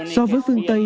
so với phương tây